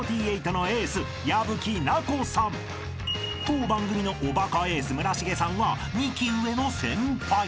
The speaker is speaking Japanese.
［当番組のおバカエース村重さんは２期上の先輩］